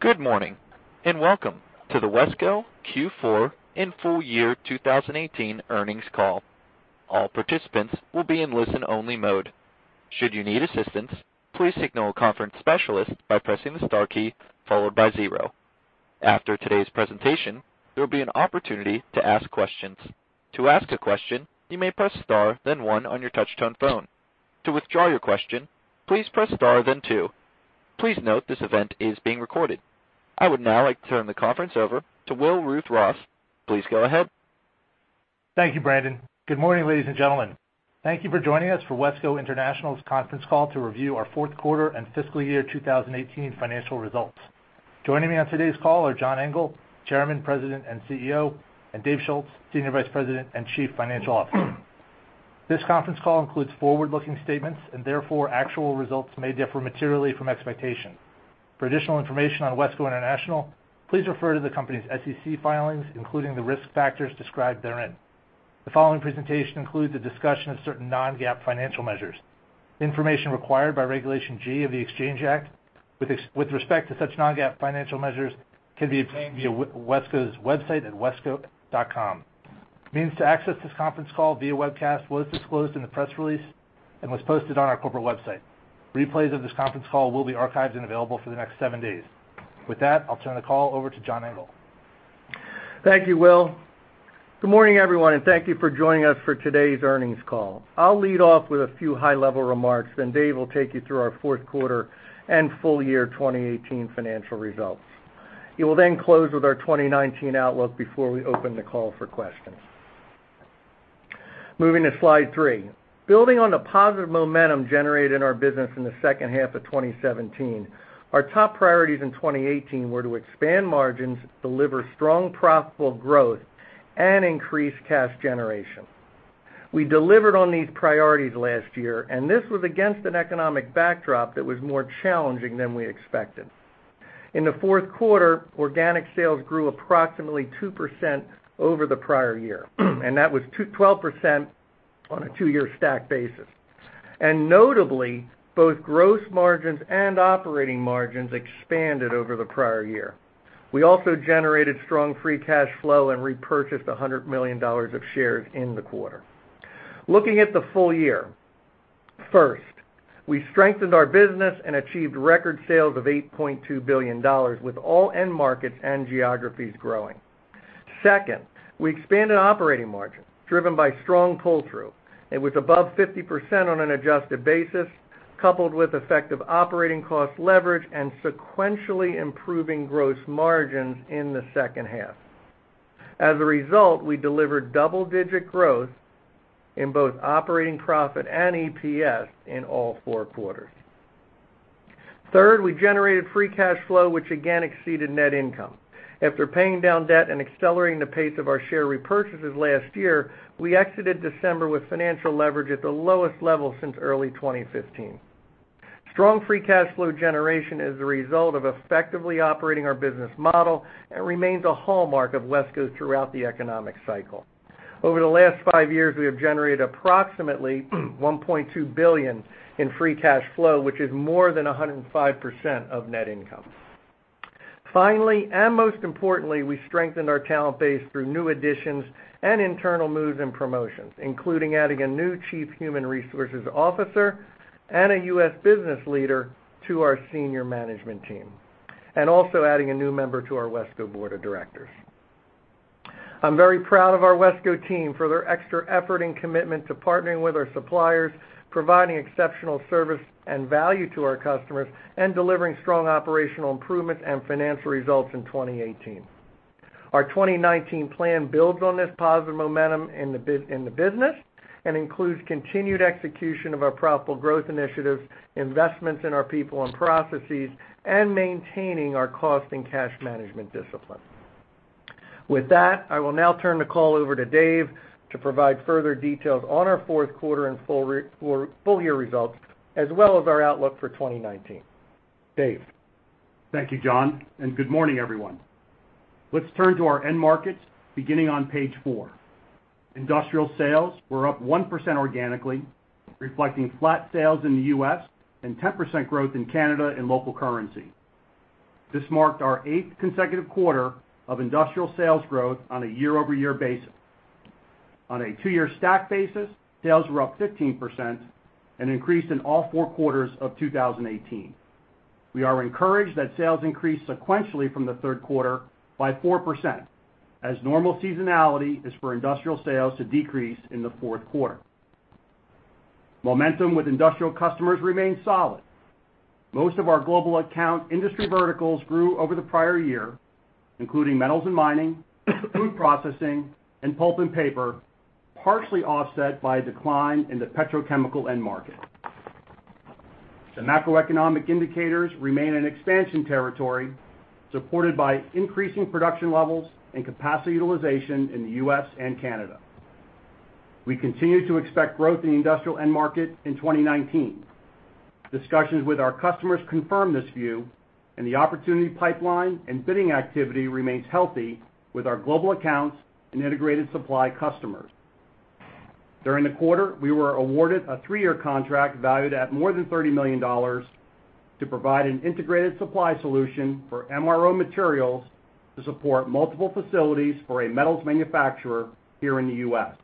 Good morning, welcome to the WESCO Q4 and full year 2018 earnings call. All participants will be in listen-only mode. Should you need assistance, please signal a conference specialist by pressing the star key followed by zero. After today's presentation, there will be an opportunity to ask questions. To ask a question, you may press star, then one on your touch-tone phone. To withdraw your question, please press star, then two. Please note this event is being recorded. I would now like to turn the conference over to Will Ruthrauff. Please go ahead. Thank you, Brandon. Good morning, ladies and gentlemen. Thank you for joining us for WESCO International's conference call to review our fourth quarter and fiscal year 2018 financial results. Joining me on today's call are John Engel, Chairman, President, and CEO, and Dave Schulz, Senior Vice President and Chief Financial Officer. Therefore, actual results may differ materially from expectations. For additional information on WESCO International, please refer to the company's SEC filings, including the risk factors described therein. The following presentation includes a discussion of certain non-GAAP financial measures. Information required by Regulation G of the Exchange Act with respect to such non-GAAP financial measures can be obtained via wesco.com. Was disclosed in the press release and was posted on our corporate website. Replays of this conference call will be archived and available for the next seven days. With that, I'll turn the call over to John Engel. Thank you, Will. Good morning, everyone, thank you for joining us for today's earnings call. I'll lead off with a few high-level remarks, Dave will take you through our fourth quarter and full year 2018 financial results. He will close with our 2019 outlook before we open the call for questions. Moving to slide three. Building on the positive momentum generated in our business in the second half of 2017, our top priorities in 2018 were to expand margins, deliver strong, profitable growth, and increase cash generation. We delivered on these priorities last year, and this was against an economic backdrop that was more challenging than we expected. In the fourth quarter, organic sales grew approximately 2% over the prior year. That was 12% on a two-year stacked basis. Notably, both gross margins and operating margins expanded over the prior year. We also generated strong free cash flow and repurchased $100 million of shares in the quarter. Looking at the full year, first, we strengthened our business and achieved record sales of $8.2 billion, with all end markets and geographies growing. Second, we expanded operating margin, driven by strong pull-through. It was above 50% on an adjusted basis, coupled with effective operating cost leverage and sequentially improving gross margins in the second half. As a result, we delivered double-digit growth in both operating profit and EPS in all four quarters. Third, we generated free cash flow, which again exceeded net income. After paying down debt and accelerating the pace of our share repurchases last year, we exited December with financial leverage at the lowest level since early 2015. Most importantly, we strengthened our talent base through new additions and internal moves and promotions, including adding a new chief human resources officer and a U.S. business leader to our senior management team, and also adding a new member to our WESCO board of directors. I'm very proud of our WESCO team for their extra effort and commitment to partnering with our suppliers, providing exceptional service and value to our customers, and delivering strong operational improvements and financial results in 2018. Our 2019 plan builds on this positive momentum in the business and includes continued execution of our profitable growth initiatives, investments in our people and processes, and maintaining our cost and cash management discipline. With that, I will now turn the call over to Dave to provide further details on our fourth quarter and full year results, as well as our outlook for 2019. Dave? Thank you, John, and good morning, everyone. Let's turn to our end markets, beginning on page four. Industrial sales were up 1% organically, reflecting flat sales in the U.S. and 10% growth in Canada in local currency. This marked our eighth consecutive quarter of industrial sales growth on a year-over-year basis. On a two-year stacked basis, sales were up 15% and increased in all four quarters of 2018. We are encouraged that sales increased sequentially from the third quarter by 4%, as normal seasonality is for industrial sales to decrease in the fourth quarter. Momentum with industrial customers remains solid. Most of our global account industry verticals grew over the prior year, including metals and mining, food processing, and pulp and paper, partially offset by a decline in the petrochemical end market. The macroeconomic indicators remain in expansion territory, supported by increasing production levels and capacity utilization in the U.S. and Canada. We continue to expect growth in the industrial end market in 2019. Discussions with our customers confirm this view, the opportunity pipeline and bidding activity remains healthy with our global accounts and integrated supply customers. During the quarter, we were awarded a three-year contract valued at more than $30 million to provide an integrated supply solution for MRO materials to support multiple facilities for a metals manufacturer here in the U.S.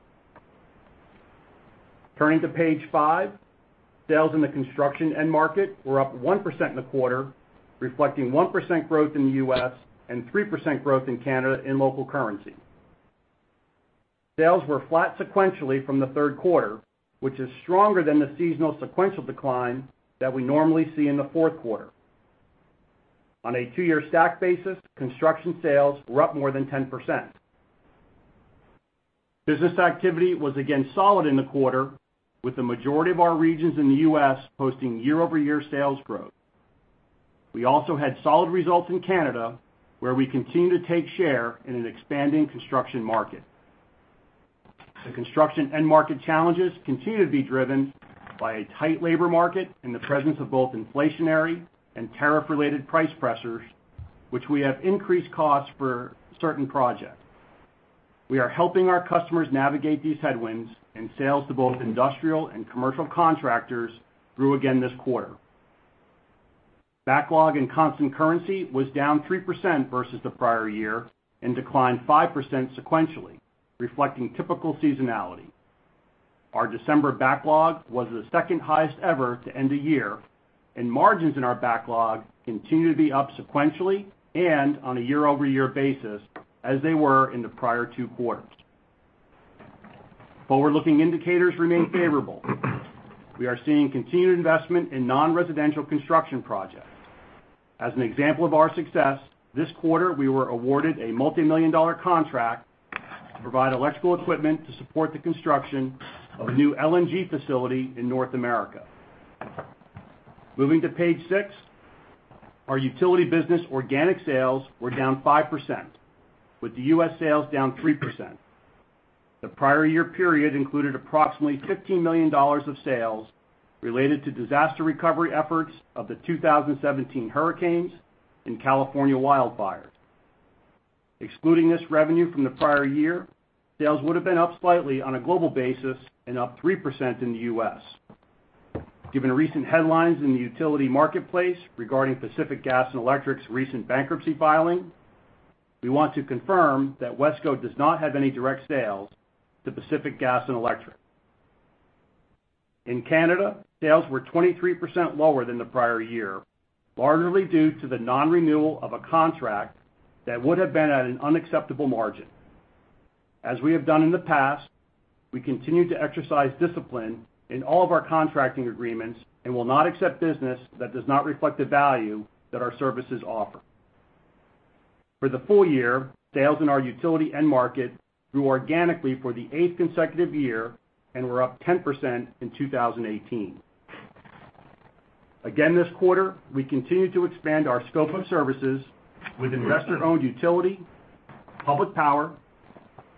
Turning to page five, sales in the construction end market were up 1% in the quarter, reflecting 1% growth in the U.S. and 3% growth in Canada in local currency. Sales were flat sequentially from the third quarter, which is stronger than the seasonal sequential decline that we normally see in the fourth quarter. On a two-year stack basis, construction sales were up more than 10%. Business activity was again solid in the quarter, with the majority of our regions in the U.S. posting year-over-year sales growth. We also had solid results in Canada, where we continue to take share in an expanding construction market. The construction end market challenges continue to be driven by a tight labor market, the presence of both inflationary and tariff-related price pressures, which we have increased costs for certain projects. We are helping our customers navigate these headwinds, sales to both industrial and commercial contractors grew again this quarter. Backlog and constant currency was down 3% versus the prior year and declined 5% sequentially, reflecting typical seasonality. Our December backlog was the second highest ever to end a year, margins in our backlog continue to be up sequentially and on a year-over-year basis as they were in the prior two quarters. Forward-looking indicators remain favorable. We are seeing continued investment in non-residential construction projects. As an example of our success, this quarter, we were awarded a multimillion-dollar contract to provide electrical equipment to support the construction of a new LNG facility in North America. Moving to page six, our utility business organic sales were down 5%, with the U.S. sales down 3%. The prior year period included approximately $15 million of sales related to disaster recovery efforts of the 2017 hurricanes and California wildfires. Excluding this revenue from the prior year, sales would have been up slightly on a global basis and up 3% in the U.S. Given recent headlines in the utility marketplace regarding Pacific Gas & Electric's recent bankruptcy filing, we want to confirm that WESCO does not have any direct sales to Pacific Gas & Electric. In Canada, sales were 23% lower than the prior year, largely due to the non-renewal of a contract that would have been at an unacceptable margin. As we have done in the past, we continue to exercise discipline in all of our contracting agreements and will not accept business that does not reflect the value that our services offer. For the full year, sales in our utility end market grew organically for the eighth consecutive year and were up 10% in 2018. Again, this quarter, we continued to expand our scope of services with investor-owned utility, public power,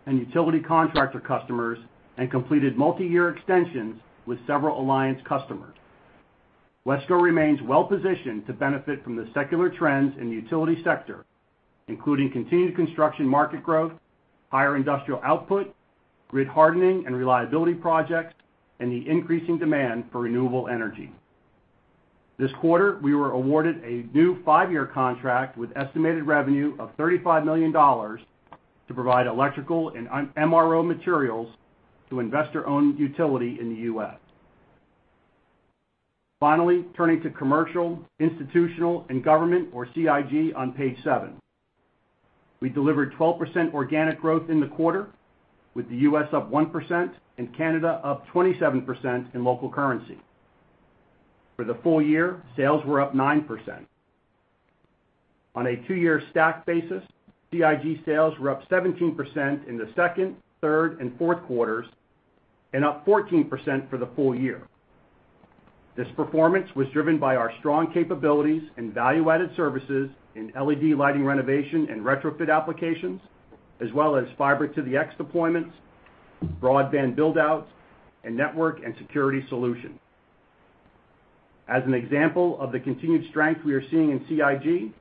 and utility contractor customers and completed multiyear extensions with several alliance customers. WESCO remains well-positioned to benefit from the secular trends in the utility sector, including continued construction market growth, higher industrial output, grid hardening and reliability projects, and the increasing demand for renewable energy. This quarter, we were awarded a new five-year contract with estimated revenue of $35 million to provide electrical and MRO materials to investor-owned utility in the U.S. Turning to commercial, institutional, and government or CIG on page seven. We delivered 12% organic growth in the quarter, with the U.S. up 1% and Canada up 27% in local currency. For the full year, sales were up 9%. On a two-year stack basis, CIG sales were up 17% in the second, third, and fourth quarters and up 14% for the full year. This performance was driven by our strong capabilities and value-added services in LED lighting renovation and retrofit applications, as well as fiber to the x deployments, broadband build-outs, and network and security solutions. As an example of the continued strength we are seeing in CIG,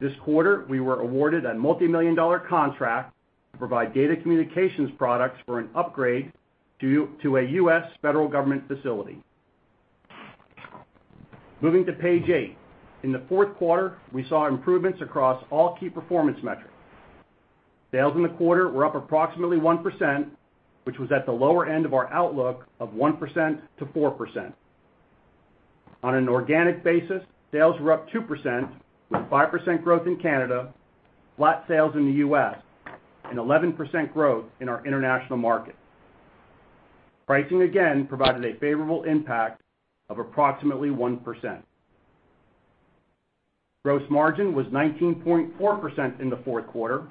this quarter, we were awarded a multimillion-dollar contract to provide data communications products for an upgrade to a U.S. federal government facility. Moving to page eight. In the fourth quarter, we saw improvements across all key performance metrics. Sales in the quarter were up approximately 1%, which was at the lower end of our outlook of 1%-4%. On an organic basis, sales were up 2%, with 5% growth in Canada, flat sales in the U.S., and 11% growth in our international market. Pricing again provided a favorable impact of approximately 1%. Gross margin was 19.4% in the fourth quarter,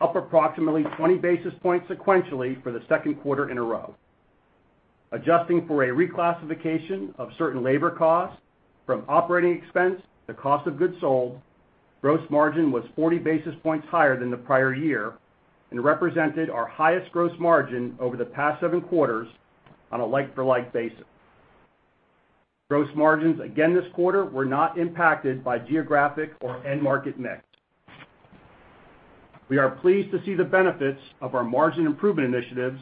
up approximately 20 basis points sequentially for the second quarter in a row. Adjusting for a reclassification of certain labor costs from operating expense to cost of goods sold, gross margin was 40 basis points higher than the prior year and represented our highest gross margin over the past seven quarters on a like-for-like basis. Gross margins again this quarter were not impacted by geographic or end market mix. We are pleased to see the benefits of our margin improvement initiatives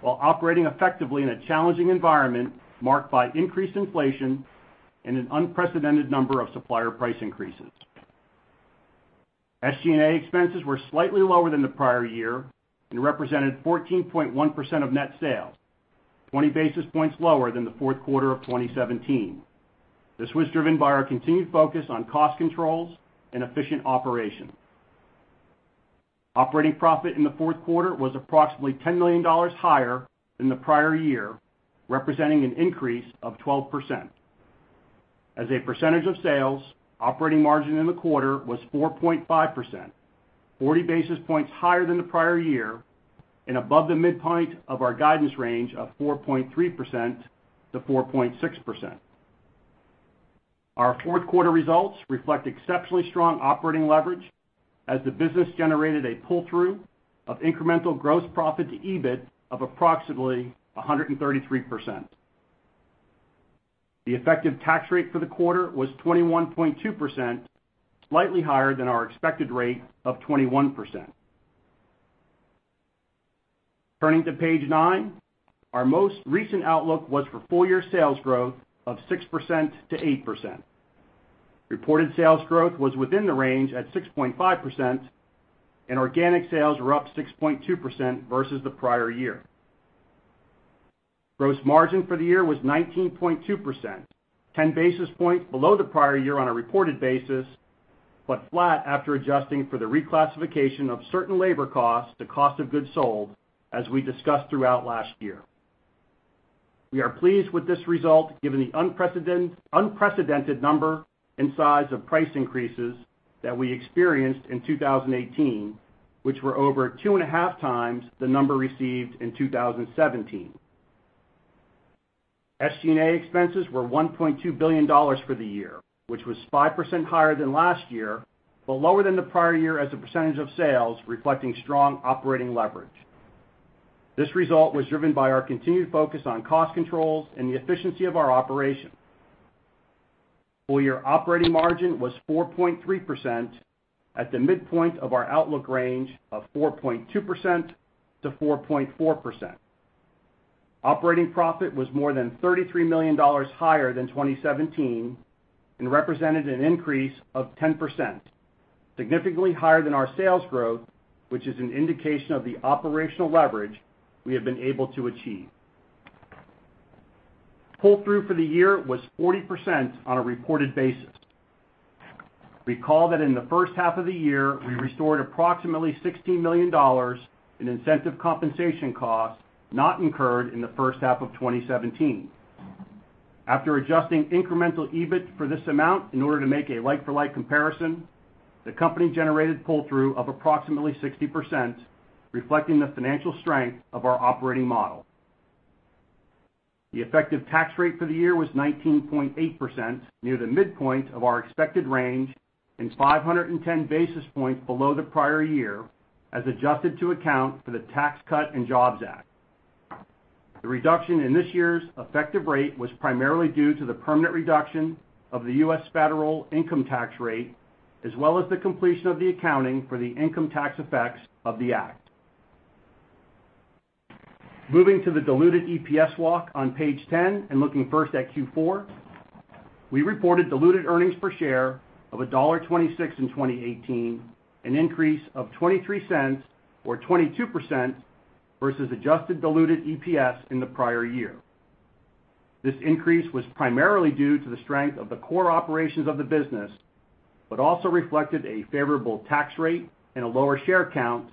while operating effectively in a challenging environment marked by increased inflation and an unprecedented number of supplier price increases. SG&A expenses were slightly lower than the prior year and represented 14.1% of net sales, 20 basis points lower than the fourth quarter of 2017. This was driven by our continued focus on cost controls and efficient operation. Operating profit in the fourth quarter was approximately $10 million higher than the prior year, representing an increase of 12%. As a percentage of sales, operating margin in the quarter was 4.5%, 40 basis points higher than the prior year, and above the midpoint of our guidance range of 4.3%-4.6%. Our fourth quarter results reflect exceptionally strong operating leverage as the business generated a pull-through of incremental gross profit to EBIT of approximately 133%. The effective tax rate for the quarter was 21.2%, slightly higher than our expected rate of 21%. Turning to page nine, our most recent outlook was for full-year sales growth of 6%-8%. Reported sales growth was within the range at 6.5%, and organic sales were up 6.2% versus the prior year. Gross margin for the year was 19.2%, 10 basis points below the prior year on a reported basis, but flat after adjusting for the reclassification of certain labor costs to cost of goods sold, as we discussed throughout last year. We are pleased with this result given the unprecedented number and size of price increases that we experienced in 2018, which were over 2.5x the number received in 2017. SG&A expenses were $1.2 billion for the year, which was 5% higher than last year, but lower than the prior year as a percentage of sales, reflecting strong operating leverage. This result was driven by our continued focus on cost controls and the efficiency of our operation. Full year operating margin was 4.3% at the midpoint of our outlook range of 4.2%-4.4%. Operating profit was more than $33 million higher than 2017 and represented an increase of 10%, significantly higher than our sales growth, which is an indication of the operational leverage we have been able to achieve. Pull-through for the year was 40% on a reported basis. Recall that in the first half of the year, we restored approximately $16 million in incentive compensation costs not incurred in the first half of 2017. After adjusting incremental EBIT for this amount in order to make a like-for-like comparison, the company generated pull-through of approximately 60%, reflecting the financial strength of our operating model. The effective tax rate for the year was 19.8%, near the midpoint of our expected range and 510 basis points below the prior year, as adjusted to account for the Tax Cuts and Jobs Act. The reduction in this year's effective rate was primarily due to the permanent reduction of the U.S. federal income tax rate, as well as the completion of the accounting for the income tax effects of the act. Moving to the diluted EPS walk on page 10 and looking first at Q4, we reported diluted earnings per share of $1.26 in 2018, an increase of $0.23 or 22% versus adjusted diluted EPS in the prior year. This increase was primarily due to the strength of the core operations of the business, also reflected a favorable tax rate and a lower share count,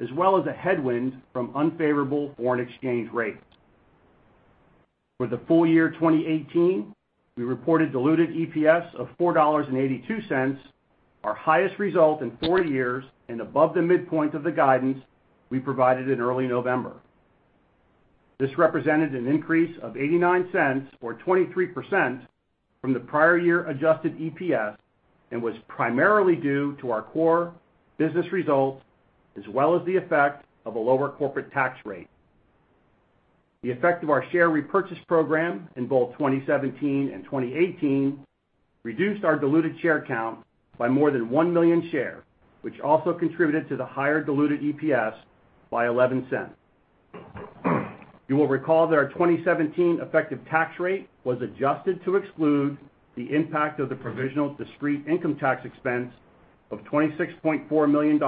as well as a headwind from unfavorable foreign exchange rates. For the full year 2018, we reported diluted EPS of $4.82, our highest result in four years and above the midpoint of the guidance we provided in early November. This represented an increase of $0.89 or 23% from the prior year adjusted EPS, and was primarily due to our core business results, as well as the effect of a lower corporate tax rate. The effect of our share repurchase program in both 2017 and 2018 reduced our diluted share count by more than one million shares, which also contributed to the higher diluted EPS by $0.11. You will recall that our 2017 effective tax rate was adjusted to exclude the impact of the provisional discrete income tax expense of $26.4 million,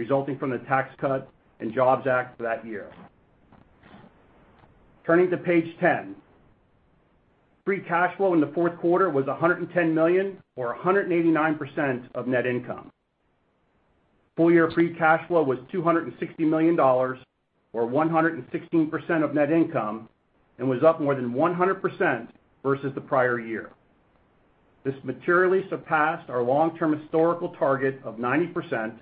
resulting from the Tax Cuts and Jobs Act for that year. Turning to page 10, free cash flow in the fourth quarter was $110 million, or 189% of net income. Full year free cash flow was $260 million, or 116% of net income, and was up more than 100% versus the prior year. This materially surpassed our long-term historical target of 90%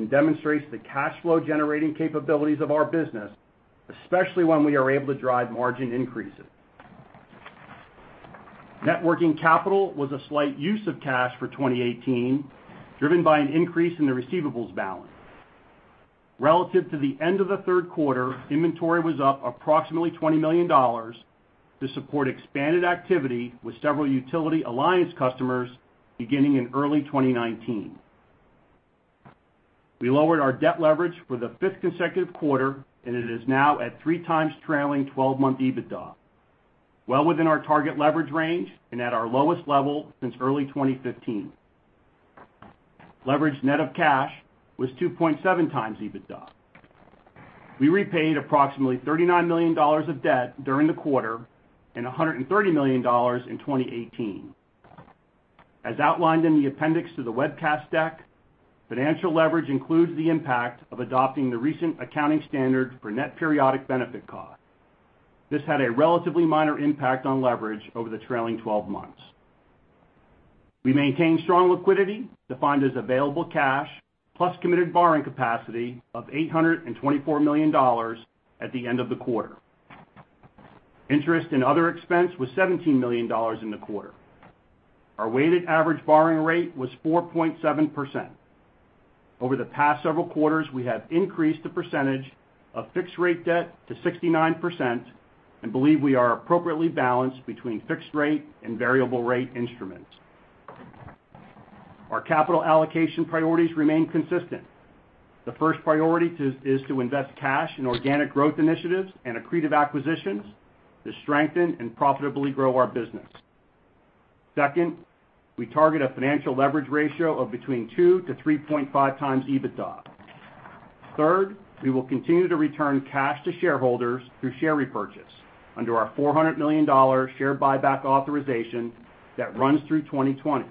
and demonstrates the cash flow generating capabilities of our business, especially when we are able to drive margin increases. Net working capital was a slight use of cash for 2018, driven by an increase in the receivables balance. Relative to the end of the third quarter, inventory was up approximately $20 million to support expanded activity with several utility alliance customers beginning in early 2019. We lowered our debt leverage for the fifth consecutive quarter, and it is now at 3x trailing 12-month EBITDA, well within our target leverage range and at our lowest level since early 2015. Leverage net of cash was 2.7x EBITDA. We repaid approximately $39 million of debt during the quarter and $130 million in 2018. As outlined in the appendix to the webcast deck, financial leverage includes the impact of adopting the recent accounting standard for net periodic benefit cost. This had a relatively minor impact on leverage over the trailing 12 months. We maintained strong liquidity, defined as available cash plus committed borrowing capacity of $824 million at the end of the quarter. Interest and other expense was $17 million in the quarter. Our weighted average borrowing rate was 4.7%. Over the past several quarters, we have increased the percentage of fixed-rate debt to 69% and believe we are appropriately balanced between fixed-rate and variable-rate instruments. Our capital allocation priorities remain consistent. The first priority is to invest cash in organic growth initiatives and accretive acquisitions to strengthen and profitably grow our business. Second, we target a financial leverage ratio of between two to 3.5x EBITDA. Third, we will continue to return cash to shareholders through share repurchase under our $400 million share buyback authorization that runs through 2020.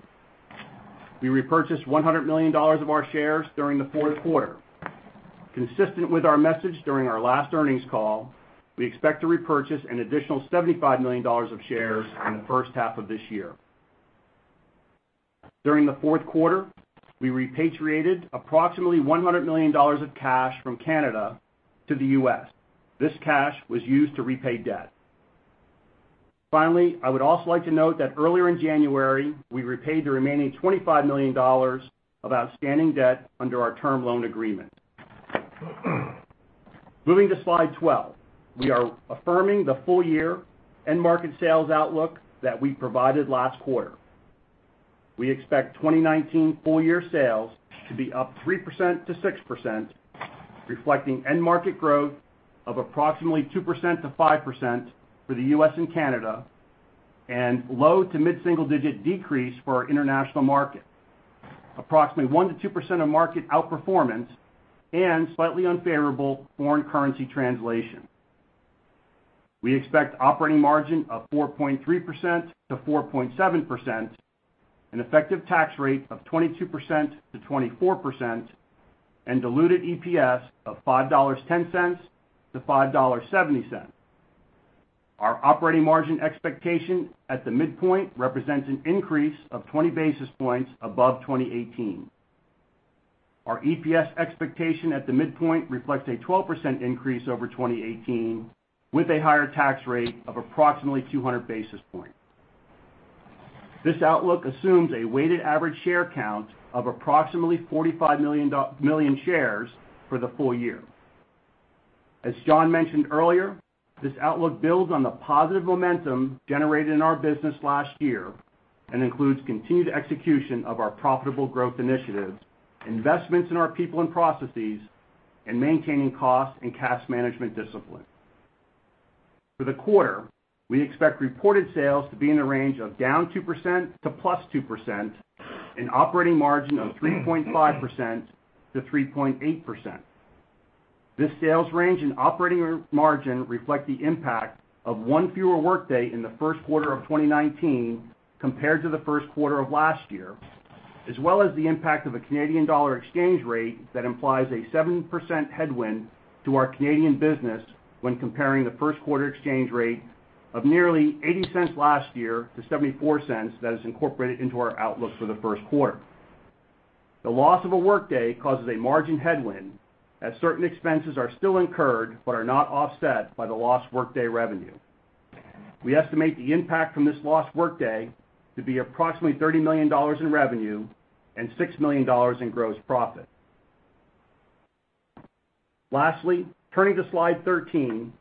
We repurchased $100 million of our shares during the fourth quarter. Consistent with our message during our last earnings call, we expect to repurchase an additional $75 million of shares in the first half of this year. During the fourth quarter, we repatriated approximately $100 million of cash from Canada to the U.S. This cash was used to repay debt. Finally, I would also like to note that earlier in January, we repaid the remaining $25 million of outstanding debt under our term loan agreement. Moving to slide 12. We are affirming the full year end market sales outlook that we provided last quarter. We expect 2019 full year sales to be up 3%-6%, reflecting end market growth of approximately 2%-5% for the U.S. and Canada, and low to mid-single-digit decrease for our international market. Approximately 1%-2% of market outperformance and slightly unfavorable foreign currency translation. We expect operating margin of 4.3%-4.7%, an effective tax rate of 22%-24%, and diluted EPS of $5.10-$5.70. Our operating margin expectation at the midpoint represents an increase of 20 basis points above 2018. Our EPS expectation at the midpoint reflects a 12% increase over 2018 with a higher tax rate of approximately 200 basis points. This outlook assumes a weighted average share count of approximately 45 million shares for the full year. As John mentioned earlier, this outlook builds on the positive momentum generated in our business last year and includes continued execution of our profitable growth initiatives, investments in our people and processes, and maintaining cost and cash management discipline. For the quarter, we expect reported sales to be in the range of -2% to +2%, an operating margin of 3.5%-3.8%. This sales range and operating margin reflect the impact of one fewer workday in the first quarter of 2019 compared to the first quarter of last year, as well as the impact of a Canadian dollar exchange rate that implies a 7% headwind to our Canadian business when comparing the first quarter exchange rate of nearly 0.80 last year to 0.74 that is incorporated into our outlook for the first quarter. The loss of a workday causes a margin headwind as certain expenses are still incurred but are not offset by the lost workday revenue. We estimate the impact from this lost workday to be approximately $30 million in revenue and $6 million in gross profit. Lastly, turning to slide 13.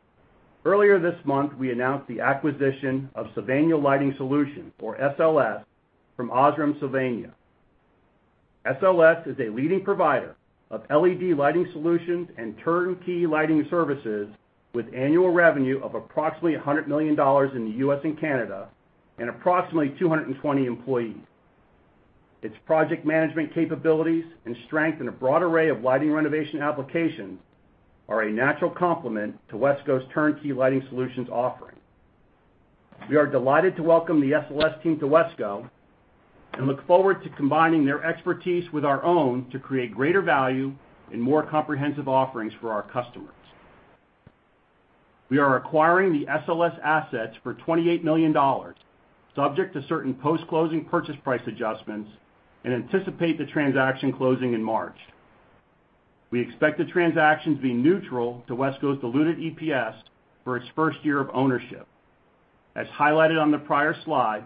Earlier this month, we announced the acquisition of Sylvania Lighting Solutions, or SLS, from OSRAM Sylvania. SLS is a leading provider of LED lighting solutions and turnkey lighting services with annual revenue of approximately $100 million in the U.S. and Canada and approximately 220 employees. Its project management capabilities and strength in a broad array of lighting renovation applications are a natural complement to WESCO's turnkey lighting solutions offering. We are delighted to welcome the SLS team to WESCO International and look forward to combining their expertise with our own to create greater value and more comprehensive offerings for our customers. We are acquiring the SLS assets for $28 million, subject to certain post-closing purchase price adjustments, and anticipate the transaction closing in March. We expect the transaction to be neutral to WESCO's diluted EPS for its first year of ownership. As highlighted on the prior slide,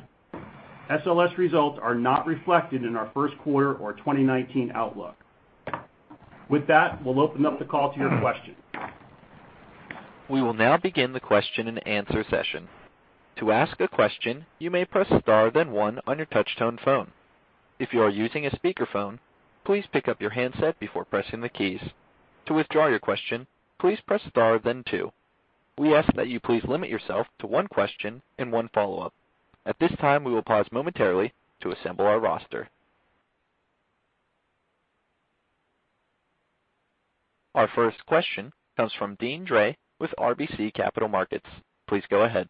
SLS results are not reflected in our first quarter or 2019 outlook. With that, we will open up the call to your questions. We will now begin the question-and-answer session. To ask a question, you may press star then one on your touch-tone phone. If you are using a speakerphone, please pick up your handset before pressing the keys. To withdraw your question, please press star then two. We ask that you please limit yourself to one question and one follow-up. At this time, we will pause momentarily to assemble our roster. Our first question comes from Deane Dray with RBC Capital Markets. Please go ahead.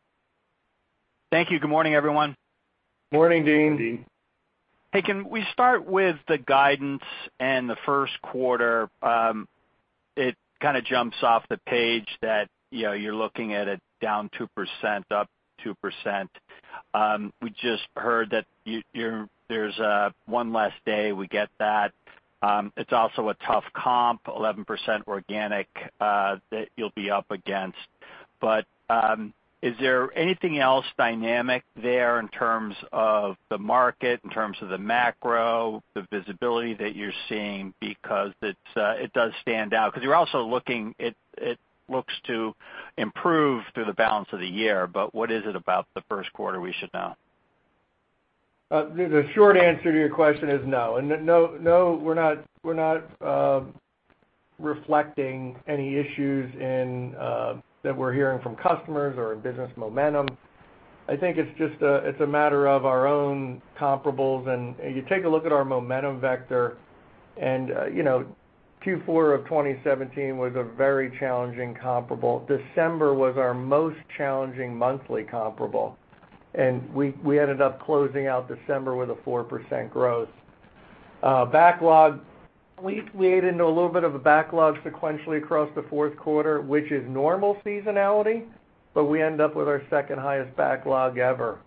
Thank you. Good morning, everyone. Morning, Deane. Good morning. Can we start with the guidance and the first quarter? It kind of jumps off the page that you're looking at a down 2%, up 2%. We just heard that there's one less day, we get that. It's also a tough comp, 11% organic, that you'll be up against. Is there anything else dynamic there in terms of the market, in terms of the macro, the visibility that you're seeing? It does stand out. It looks to improve through the balance of the year. What is it about the first quarter we should know? The short answer to your question is no. No, we're not reflecting any issues that we're hearing from customers or in business momentum. I think it's a matter of our own comparables. You take a look at our momentum vector and Q4 of 2017 was a very challenging comparable. December was our most challenging monthly comparable. We ended up closing out December with a 4% growth. Backlog. We ate into a little bit of a backlog sequentially across the fourth quarter, which is normal seasonality, but we end up with our second highest backlog ever,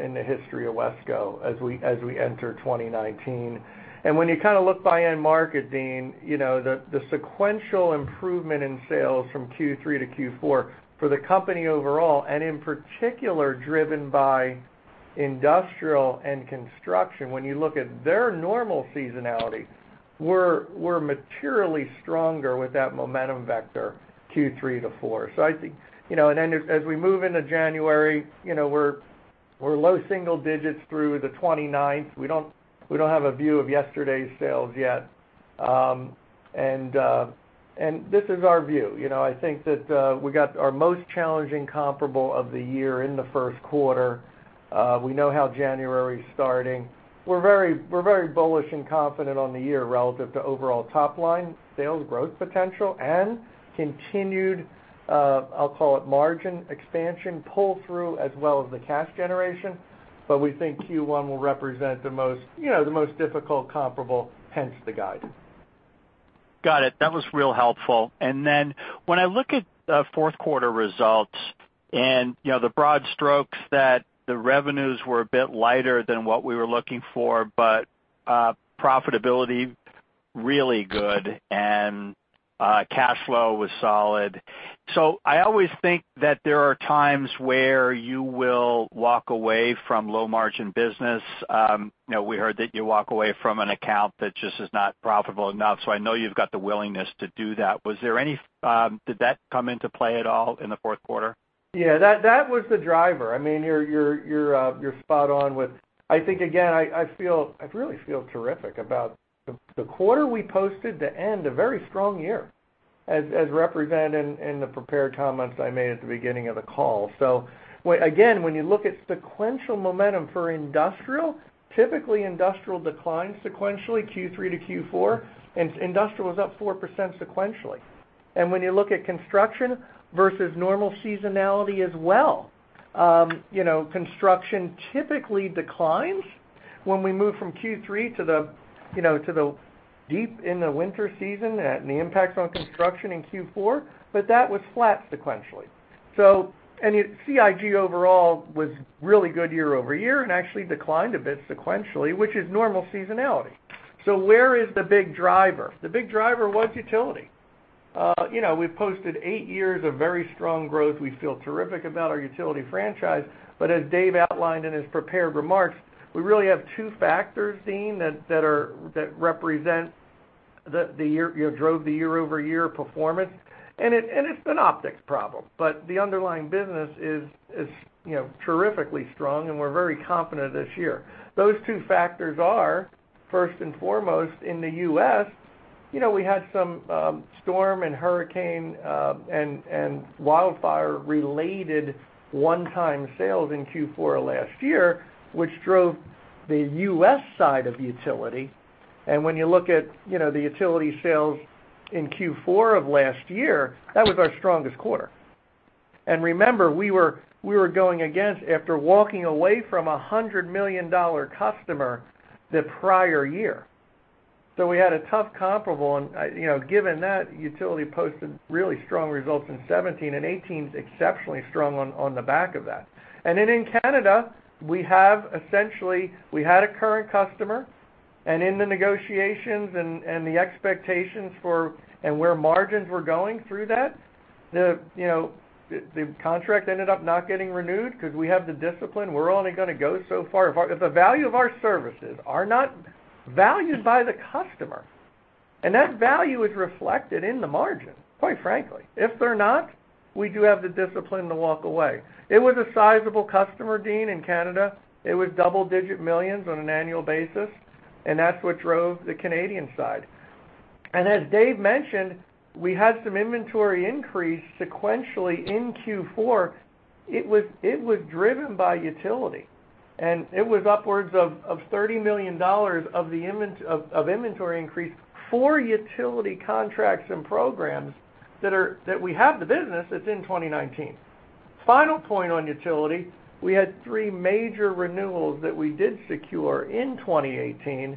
in the history of WESCO as we enter 2019. When you kind of look by end market, Deane, the sequential improvement in sales from Q3 to Q4 for the company overall, and in particular, driven by industrial and construction, when you look at their normal seasonality, we're materially stronger with that momentum vector Q3 to Q4. As we move into January, we're low single digits through the 29th. We don't have a view of yesterday's sales yet. This is our view. I think that we got our most challenging comparable of the year in the first quarter. We know how January's starting. We're very bullish and confident on the year relative to overall top line sales growth potential, and continued, I'll call it margin expansion pull through, as well as the cash generation. We think Q1 will represent the most difficult comparable, hence the guidance. Got it. That was real helpful. When I look at fourth quarter results and the broad strokes that the revenues were a bit lighter than what we were looking for, but profitability, really good, and cash flow was solid. I always think that there are times where you will walk away from low margin business. We heard that you walk away from an account that just is not profitable enough, so I know you've got the willingness to do that. Did that come into play at all in the fourth quarter? That was the driver. You're spot on with. I think again, I really feel terrific about the quarter we posted to end a very strong year, as represented in the prepared comments that I made at the beginning of the call. Again, when you look at sequential momentum for industrial, typically industrial declines sequentially Q3 to Q4, and industrial was up 4% sequentially. When you look at construction versus normal seasonality as well. Construction typically declines when we move from Q3 to the deep in the winter season, and the impacts on construction in Q4, but that was flat sequentially. CIG overall was really good year-over-year and actually declined a bit sequentially, which is normal seasonality. Where is the big driver? The big driver was utility. We've posted eight years of very strong growth. We feel terrific about our utility franchise. As Dave outlined in his prepared remarks, we really have two factors, Deane, that represent the year, drove the year-over-year performance. It's been optics problem, but the underlying business is terrifically strong, and we're very confident this year. Those two factors are, first and foremost, in the U.S., we had some storm and hurricane, and wildfire related one-time sales in Q4 last year, which drove the U.S. side of utility. When you look at the utility sales in Q4 of last year, that was our strongest quarter. Remember, we were going against after walking away from a $100 million customer the prior year. We had a tough comparable and given that, utility posted really strong results in 2017 and 2018's exceptionally strong on the back of that. Then in Canada, we had a current customer. In the negotiations and the expectations for, and where margins were going through that, the contract ended up not getting renewed because we have the discipline. We're only going to go so far. If the value of our services are not valued by the customer, and that value is reflected in the margin, quite frankly. If they're not, we do have the discipline to walk away. It was a sizable customer, Deane, in Canada. It was double-digit millions on an annual basis, and that's what drove the Canadian side. As Dave mentioned, we had some inventory increase sequentially in Q4. It was driven by utility, and it was upwards of $30 million of inventory increase for utility contracts and programs that we have the business that's in 2019. Final point on utility, we had three major renewals that we did secure in 2018,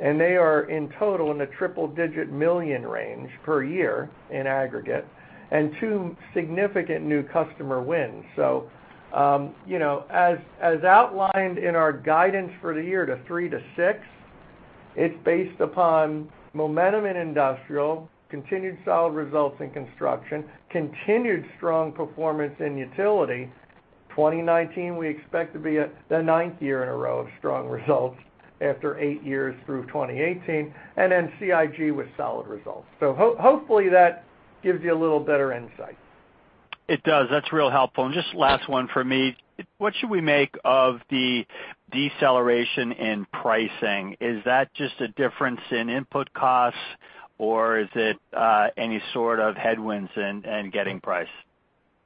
and they are in total in the triple-digit million range per year in aggregate, and two significant new customer wins. As outlined in our guidance for the year to 3%-6%, it's based upon momentum in industrial, continued solid results in construction, continued strong performance in utility. 2019, we expect to be the ninth year in a row of strong results after eight years through 2018, CIG with solid results. Hopefully, that gives you a little better insight. It does. That's real helpful. Just last one from me. What should we make of the deceleration in pricing? Is that just a difference in input costs, or is it any sort of headwinds in getting price?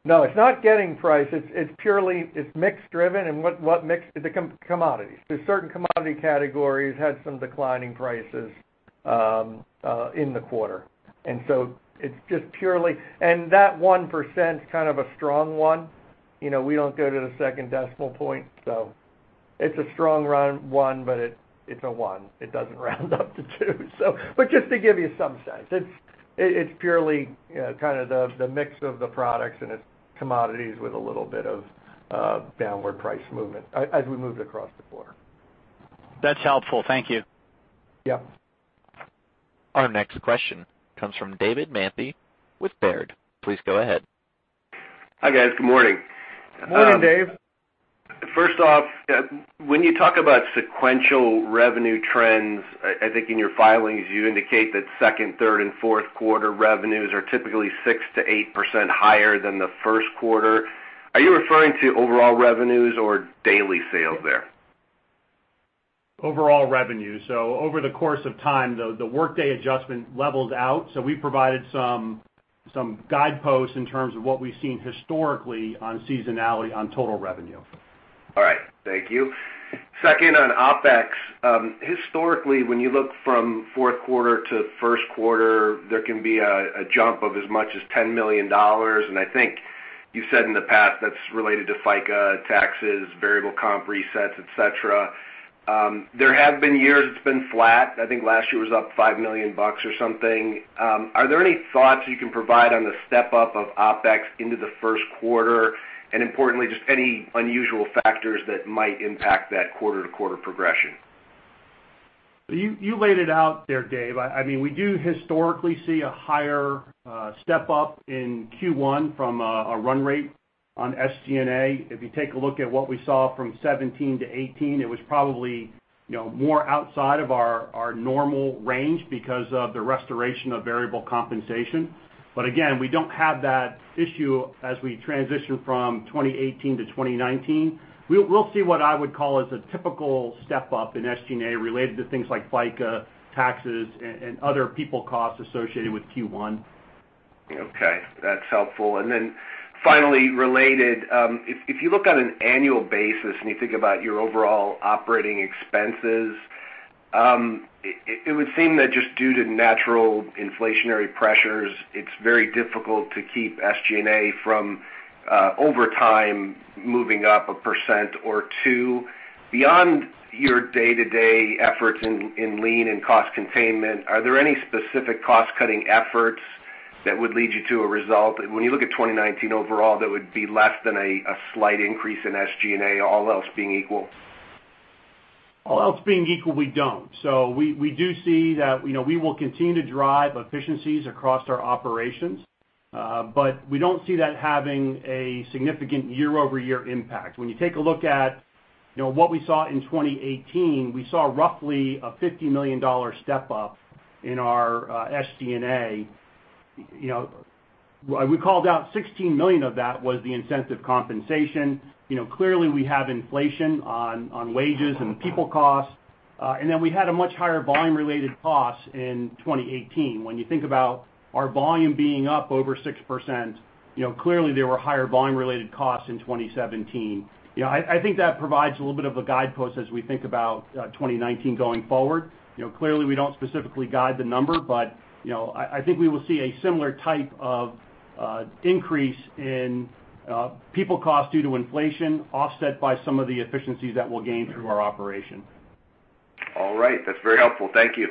No, it's not getting price. It's mix driven the commodities. There are certain commodity categories had some declining prices in the quarter. That 1% is kind of a strong one. We don't go to the second decimal point, so it's a strong one, but it's a one. It doesn't round up to two. Just to give you some sense, it's purely kind of the mix of the products and its commodities with a little bit of downward price movement as we moved across the quarter. That's helpful. Thank you. Yeah. Our next question comes from David Manthey with Baird. Please go ahead. Hi, guys. Good morning. Morning, Dave. First off, when you talk about sequential revenue trends, I think in your filings, you indicate that second, third, and fourth quarter revenues are typically 6% to 8% higher than the first quarter. Are you referring to overall revenues or daily sales there? Overall revenue. Over the course of time, the workday adjustment leveled out. We provided some guideposts in terms of what we've seen historically on seasonality on total revenue. All right. Thank you. Second on OpEx. Historically, when you look from fourth quarter to first quarter, there can be a jump of as much as $10 million, and I think you said in the past, that's related to FICA, taxes, variable comp resets, et cetera. There have been years it's been flat. I think last year was up $5 million or something. Are there any thoughts you can provide on the step-up of OpEx into the first quarter, and importantly, just any unusual factors that might impact that quarter-to-quarter progression? You laid it out there, Dave. We do historically see a higher step-up in Q1 from a run rate on SG&A. If you take a look at what we saw from 2017 to 2018, it was probably more outside of our normal range because of the restoration of variable compensation. Again, we don't have that issue as we transition from 2018 to 2019. We'll see what I would call is a typical step-up in SG&A related to things like FICA, taxes, and other people costs associated with Q1. Okay. That's helpful. Finally, related, if you look on an annual basis and you think about your overall operating expenses, it would seem that just due to natural inflationary pressures, it's very difficult to keep SG&A from over time moving up 1% or two. Beyond your day-to-day efforts in lean and cost containment, are there any specific cost-cutting efforts that would lead you to a result when you look at 2019 overall, that would be less than a slight increase in SG&A, all else being equal? All else being equal, we don't. We do see that we will continue to drive efficiencies across our operations, but we don't see that having a significant year-over-year impact. When you take a look at what we saw in 2018, we saw roughly a $50 million step-up in our SG&A. We called out $16 million of that was the incentive compensation. Clearly, we have inflation on wages and people costs. We had a much higher volume-related cost in 2018. When you think about our volume being up over 6%, clearly, there were higher volume-related costs in 2017. I think that provides a little bit of a guidepost as we think about 2019 going forward. We don't specifically guide the number, but I think we will see a similar type of increase in people cost due to inflation offset by some of the efficiencies that we'll gain through our operation. All right. That's very helpful. Thank you.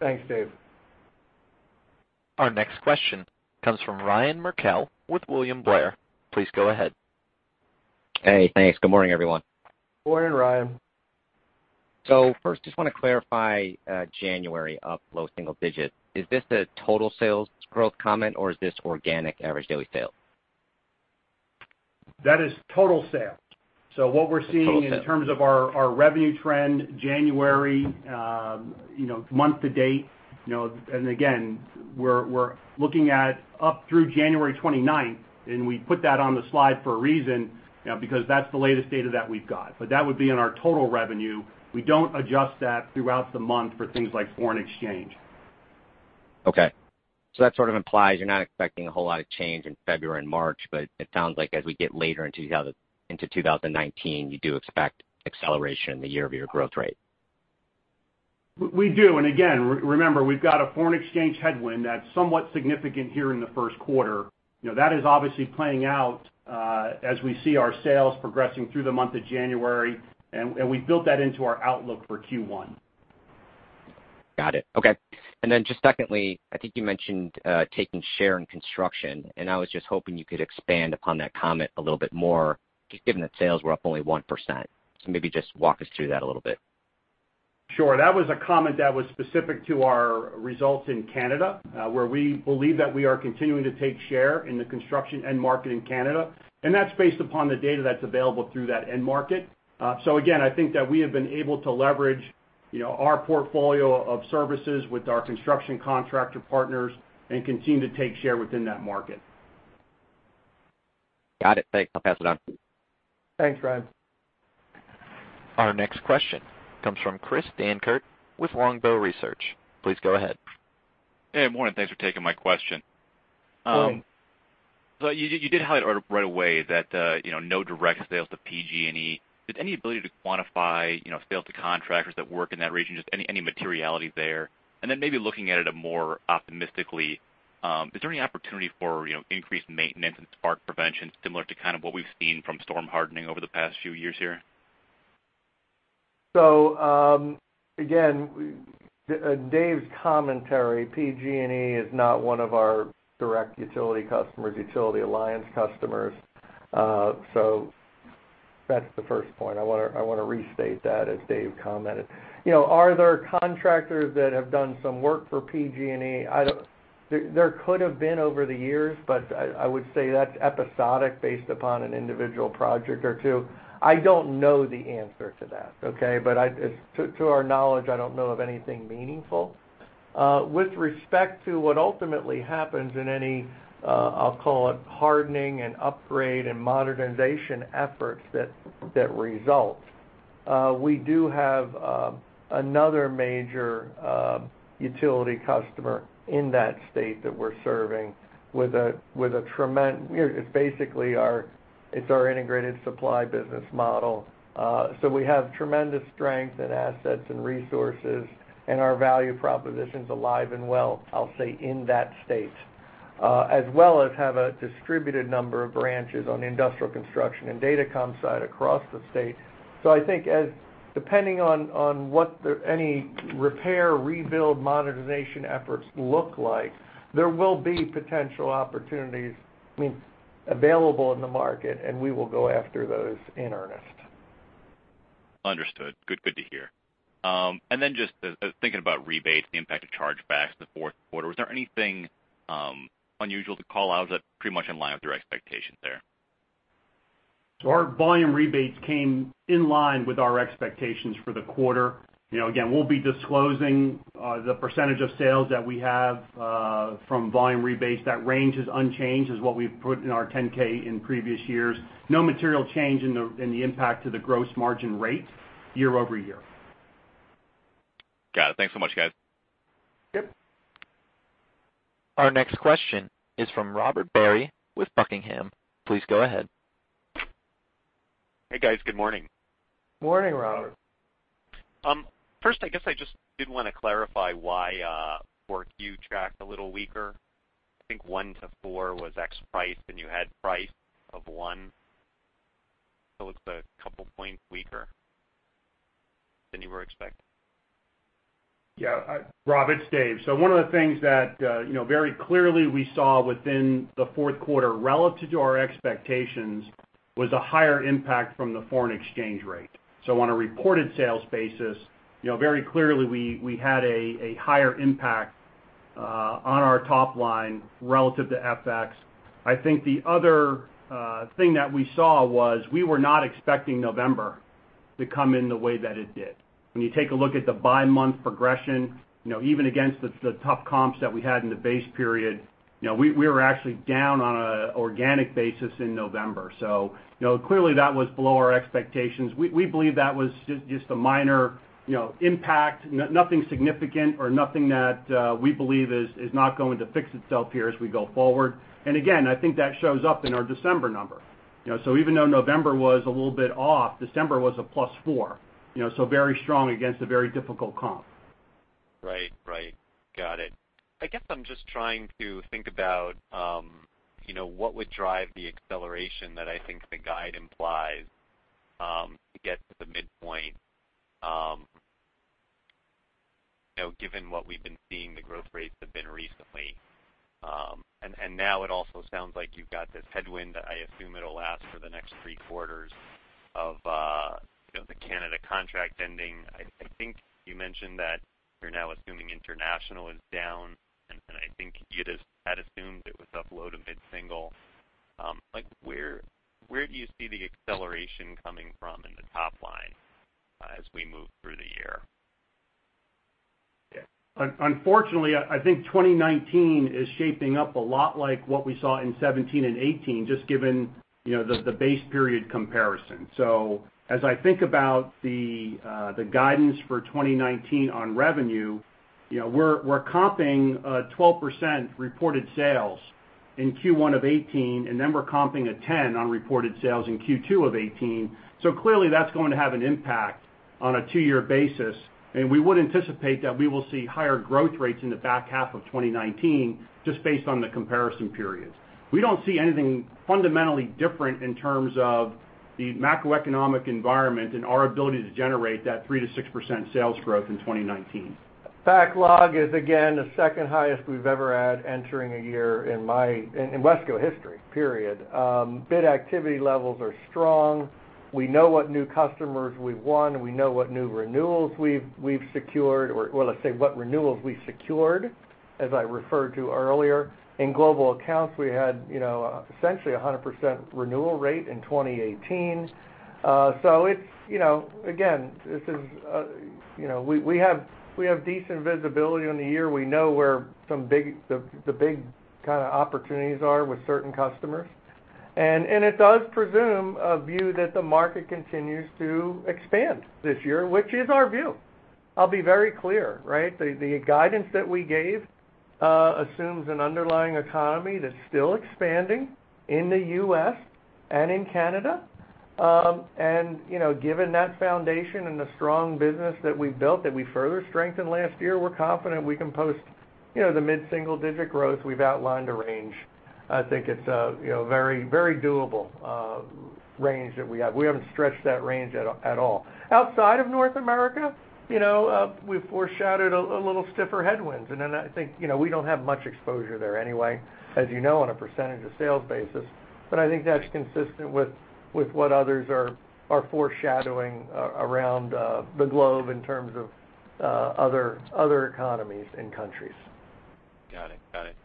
Thanks, Dave. Our next question comes from Ryan Merkel with William Blair. Please go ahead. Hey, thanks. Good morning, everyone. Morning, Ryan. First, just want to clarify January up low single digit. Is this the total sales growth comment, or is this organic average daily sales? That is total sales. Total sales in terms of our revenue trend, January month to date. Again, we're looking at up through January 29th, and we put that on the slide for a reason, because that's the latest data that we've got. That would be in our total revenue. We don't adjust that throughout the month for things like foreign exchange. Okay. That sort of implies you're not expecting a whole lot of change in February and March, but it sounds like as we get later into 2019, you do expect acceleration in the year-over-year growth rate. We do. Again, remember, we've got a foreign exchange headwind that's somewhat significant here in the first quarter. That is obviously playing out as we see our sales progressing through the month of January. We built that into our outlook for Q1. Got it. Okay. Just secondly, I think you mentioned taking share in construction, I was just hoping you could expand upon that comment a little bit more, given that sales were up only 1%. Maybe just walk us through that a little bit. Sure. That was a comment that was specific to our results in Canada, where we believe that we are continuing to take share in the construction end market in Canada. That's based upon the data that's available through that end market. Again, I think that we have been able to leverage our portfolio of services with our construction contractor partners and continue to take share within that market. Got it. Thanks. I'll pass it on. Thanks, Ryan. Our next question comes from Chris Dankert with Longbow Research. Please go ahead. Hey, morning. Thanks for taking my question. Morning. You did highlight right away that no direct sales to PG&E. Is there any ability to quantify sales to contractors that work in that region? Just any materiality there? Then maybe looking at it more optimistically, is there any opportunity for increased maintenance and spark prevention similar to kind of what we've seen from storm hardening over the past few years here? Again, Dave's commentary, PG&E is not one of our direct utility customers, utility alliance customers. That's the first point. I want to restate that as Dave commented. Are there contractors that have done some work for PG&E? There could have been over the years, but I would say that's episodic based upon an individual project or two. I don't know the answer to that. Okay? To our knowledge, I don't know of anything meaningful. With respect to what ultimately happens in any, I'll call it hardening and upgrade and modernization efforts that result, we do have another major utility customer in that state that we're serving with it's our integrated supply business model. We have tremendous strength and assets and resources, and our value proposition is alive and well, I'll say, in that state. As well as have a distributed number of branches on the industrial construction and data comm side across the state. I think depending on what any repair, rebuild, modernization efforts look like, there will be potential opportunities available in the market, and we will go after those in earnest. Understood. Good to hear. Just thinking about rebates, the impact of charge backs in the fourth quarter. Was there anything unusual to call out, or was that pretty much in line with your expectations there? Our volume rebates came in line with our expectations for the quarter. Again, we'll be disclosing the percentage of sales that we have from volume rebates. That range is unchanged as what we've put in our 10-K in previous years. No material change in the impact to the gross margin rate year-over-year. Got it. Thanks so much, guys. Yep. Our next question is from Robert Barry with Buckingham. Please go ahead. Hey, guys. Good morning. Morning, Robert. I guess I just did want to clarify why 4Q tracked a little weaker. I think one to four was ex-price, then you had price of one. It looks a couple points weaker than you were expecting. Yeah. Rob, it's Dave. One of the things that very clearly we saw within the fourth quarter relative to our expectations was a higher impact from the foreign exchange rate. On a reported sales basis, very clearly we had a higher impact on our top line relative to FX. I think the other thing that we saw was we were not expecting November to come in the way that it did. When you take a look at the by month progression, even against the tough comps that we had in the base period, we were actually down on an organic basis in November. Clearly that was below our expectations. We believe that was just a minor impact. Nothing significant or nothing that we believe is not going to fix itself here as we go forward. Again, I think that shows up in our December number. Even though November was a little bit off, December was +4%. Very strong against a very difficult comp. Right. Got it. I guess I'm just trying to think about what would drive the acceleration that I think the guide implies to get to the midpoint, given what we've been seeing the growth rates have been recently. Now it also sounds like you've got this headwind that I assume it'll last for the next three quarters of the Canada contract ending. I think you mentioned that you're now assuming international is down, and I think you had assumed it was up low to mid-single. Where do you see the acceleration coming from in the top line as we move through the year? Unfortunately, I think 2019 is shaping up a lot like what we saw in 2017 and 2018, just given the base period comparison. As I think about the guidance for 2019 on revenue, we're comping 12% reported sales in Q1 of 2018, then we're comping 10% on reported sales in Q2 of 2018. Clearly, that's going to have an impact on a two-year basis, we would anticipate that we will see higher growth rates in the back half of 2019, just based on the comparison periods. We don't see anything fundamentally different in terms of the macroeconomic environment and our ability to generate that 3%-6% sales growth in 2019. Backlog is again, the second highest we've ever had entering a year in WESCO history. Bid activity levels are strong. We know what new customers we've won, and we know what new renewals we've secured, or, well, let's say what renewals we secured, as I referred to earlier. In global accounts, we had essentially 100% renewal rate in 2018. Again, we have decent visibility on the year. We know where the big kind of opportunities are with certain customers. It does presume a view that the market continues to expand this year, which is our view. I'll be very clear. The guidance that we gave assumes an underlying economy that's still expanding in the U.S. and in Canada. Given that foundation and the strong business that we've built, that we further strengthened last year, we're confident we can post the mid-single digit growth. We've outlined a range. I think it's a very doable range that we have. We haven't stretched that range at all. Outside of North America, we've foreshadowed a little stiffer headwinds. I think, we don't have much exposure there anyway, as you know, on a percentage of sales basis. I think that's consistent with what others are foreshadowing around the globe in terms of other economies and countries. Got it.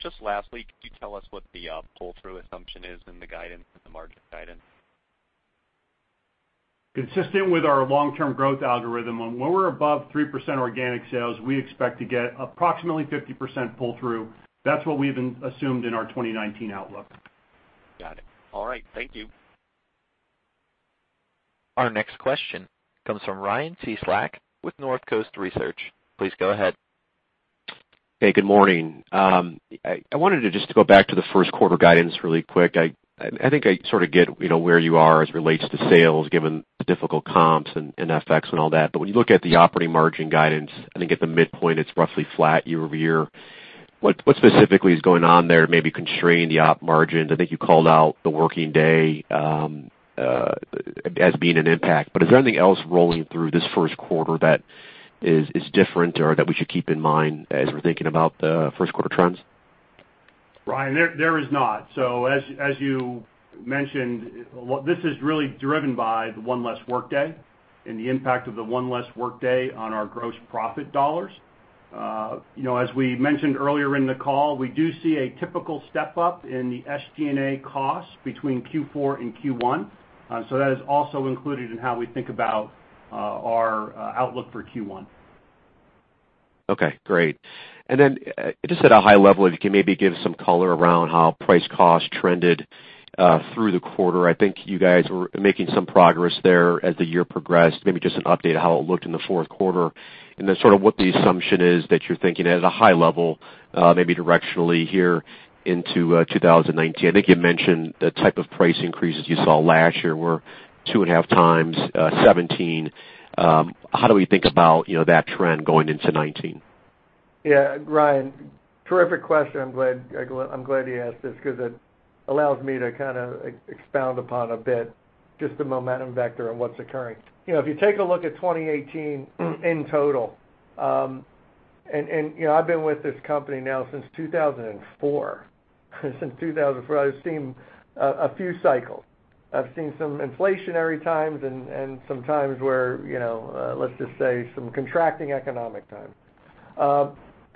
Just lastly, could you tell us what the pull-through assumption is in the guidance, in the margin guidance? Consistent with our long-term growth algorithm, when we're above 3% organic sales, we expect to get approximately 50% pull-through. That's what we've assumed in our 2019 outlook. Got it. All right. Thank you. Our next question comes from Ryan Cieslak with Northcoast Research. Please go ahead. Hey, good morning. I wanted to just to go back to the first quarter guidance really quick. I think I sort of get where you are as it relates to sales, given the difficult comps and FX and all that. When you look at the operating margin guidance, I think at the midpoint, it's roughly flat year-over-year. What specifically is going on there, maybe constraining the op margins? I think you called out the working day as being an impact, but is there anything else rolling through this first quarter that is different or that we should keep in mind as we're thinking about the first quarter trends? Ryan, there is not. As you mentioned, this is really driven by the one less workday and the impact of the one less workday on our gross profit dollars. As we mentioned earlier in the call, we do see a typical step-up in the SG&A cost between Q4 and Q1. That is also included in how we think about our outlook for Q1. Okay. Great. Just at a high level, if you can maybe give some color around how price cost trended through the quarter. I think you guys were making some progress there as the year progressed. Maybe just an update of how it looked in the fourth quarter, and then sort of what the assumption is that you're thinking at a high level, maybe directionally here into 2019. I think you had mentioned the type of price increases you saw last year were 2.5x 2017. How do we think about that trend going into 2019? Ryan, terrific question. I'm glad you asked this because it allows me to kind of expound upon a bit, just the momentum vector and what's occurring. If you take a look at 2018 in total, I've been with this company now since 2004. Since 2004, I've seen a few cycles. I've seen some inflationary times and some times where let's just say some contracting economic times.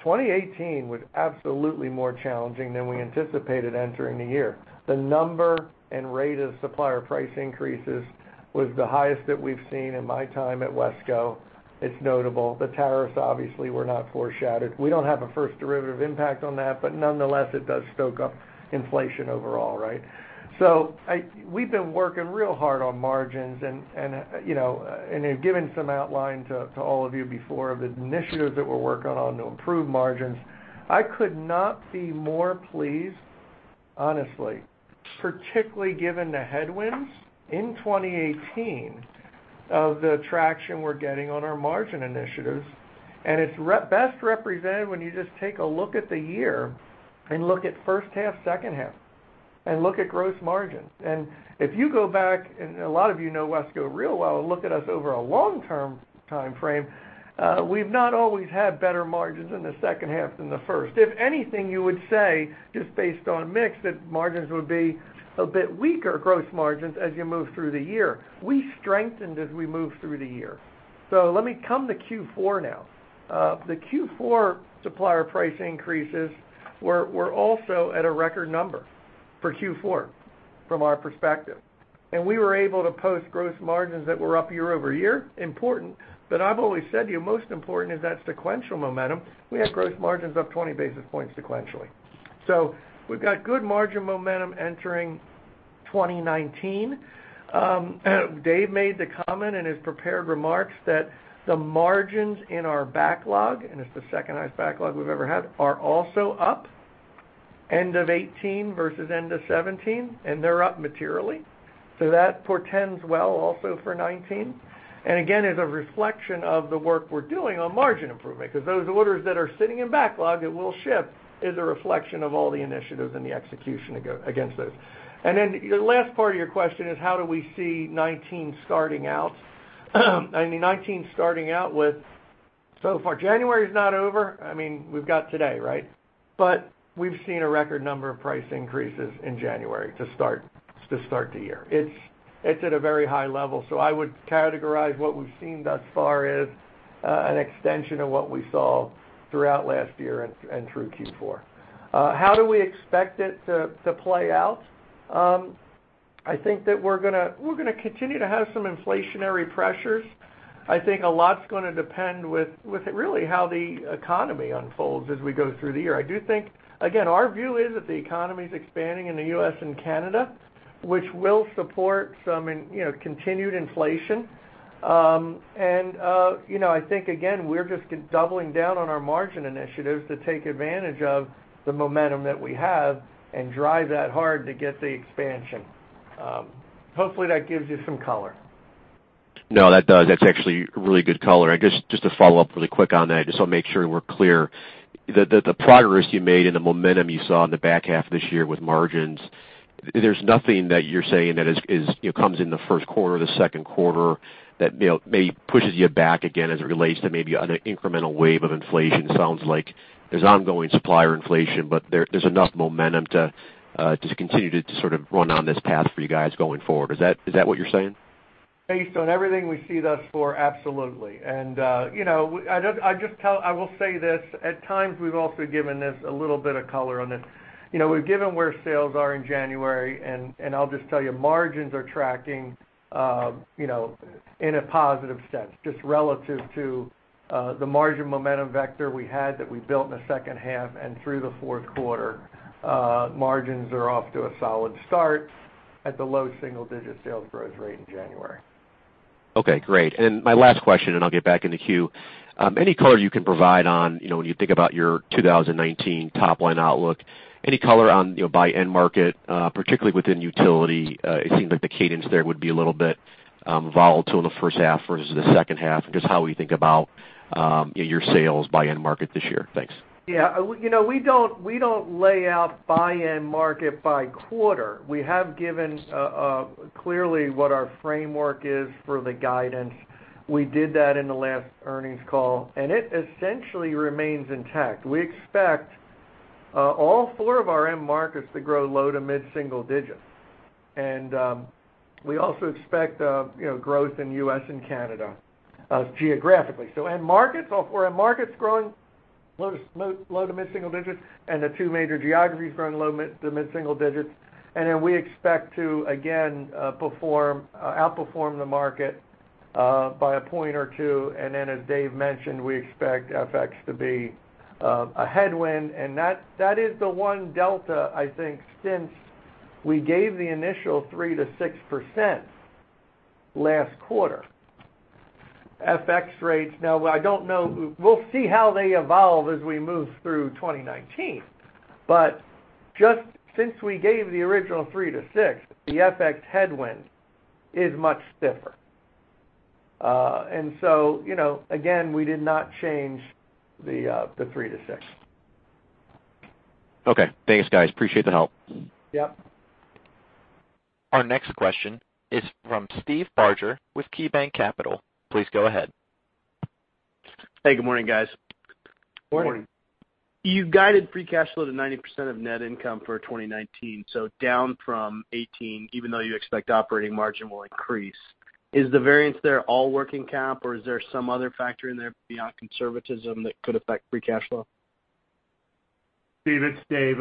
2018 was absolutely more challenging than we anticipated entering the year. The number and rate of supplier price increases was the highest that we've seen in my time at WESCO. It's notable. The tariffs obviously were not foreshadowed. We don't have a first derivative impact on that, nonetheless, it does stoke up inflation overall, right? We've been working real hard on margins, I've given some outline to all of you before of the initiatives that we're working on to improve margins. I could not be more pleased, honestly, particularly given the headwinds in 2018, of the traction we're getting on our margin initiatives. It's best represented when you just take a look at the year and look at first half, second half, and look at gross margins. If you go back, a lot of you know WESCO real well, look at us over a long-term timeframe, we've not always had better margins in the second half than the first. If anything, you would say, just based on mix, that margins would be a bit weaker, gross margins, as you move through the year. We strengthened as we moved through the year. Let me come to Q4 now. The Q4 supplier price increases were also at a record number for Q4 from our perspective. We were able to post gross margins that were up year-over-year, important, I've always said to you, most important is that sequential momentum. We had gross margins up 20 basis points sequentially. We've got good margin momentum entering 2019. Dave made the comment in his prepared remarks that the margins in our backlog, it's the second-highest backlog we've ever had, are also up end of 2018 versus end of 2017, and they're up materially. That portends well also for 2019. Again, is a reflection of the work we're doing on margin improvement, because those orders that are sitting in backlog that we'll ship is a reflection of all the initiatives and the execution against those. The last part of your question is how do we see 2019 starting out? 2019 starting out with, so far, January is not over. We've got today. We've seen a record number of price increases in January to start the year. It's at a very high level, I would categorize what we've seen thus far as an extension of what we saw throughout last year and through Q4. How do we expect it to play out? I think that we're going to continue to have some inflationary pressures. I think a lot's going to depend with, really how the economy unfolds as we go through the year. I do think, again, our view is that the economy's expanding in the U.S. and Canada, which will support some continued inflation. I think, again, we're just doubling down on our margin initiatives to take advantage of the momentum that we have and drive that hard to get the expansion. Hopefully that gives you some color. No, that does. That is actually really good color. I guess, just to follow up really quick on that, just so I make sure we're clear, the progress you made and the momentum you saw in the back half of this year with margins, there is nothing that you're saying that comes in the first quarter or the second quarter that maybe pushes you back again as it relates to maybe an incremental wave of inflation. It sounds like there is ongoing supplier inflation, but there is enough momentum to just continue to sort of run on this path for you guys going forward. Is that what you're saying? Based on everything we see thus far, absolutely. I will say this, at times we have also given this a little bit of color on this. We have given where sales are in January, I will just tell you, margins are tracking in a positive sense, just relative to the margin momentum vector we had that we built in the second half and through the fourth quarter. Margins are off to a solid start at the low single-digit sales growth rate in January. Okay, great. My last question, I'll get back in the queue. Any color you can provide on when you think about your 2019 top-line outlook, any color on by end market, particularly within utility? It seemed like the cadence there would be a little bit volatile in the first half versus the second half. Just how we think about your sales by end market this year. Thanks. Yeah. We don't lay out by end market by quarter. We have given clearly what our framework is for the guidance. We did that in the last earnings call. It essentially remains intact. We expect all four of our end markets to grow low to mid single-digits. We also expect growth in U.S. and Canada geographically. Our market's growing low to mid single-digits, and the two major geographies growing low to mid single-digits. We expect to, again, outperform the market by a point or two, and then as Dave mentioned, we expect FX to be a headwind, and that is the one delta, I think, since we gave the initial 3%-6% last quarter. FX rates, now I don't know. We'll see how they evolve as we move through 2019. Just since we gave the original 3%-6%, the FX headwind is much stiffer. Again, we did not change the 3%-6%. Okay. Thanks, guys. Appreciate the help. Yep. Our next question is from Steve Barger with KeyBanc Capital. Please go ahead. Hey, good morning, guys. Good morning. You guided free cash flow to 90% of net income for 2019, down from 2018, even though you expect operating margin will increase. Is the variance there all working cap, or is there some other factor in there beyond conservatism that could affect free cash flow? Steve, it's Dave.